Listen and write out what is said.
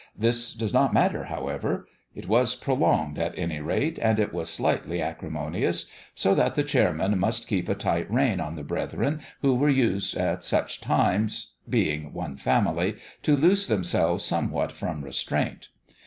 This does not matter, however : it was prolonged, at any rate, and it was slightly acrimonious, so that the chairman must keep a tight rein on the brethren, who were used, at such times, being one family, to loose themselves somewhat from restraint.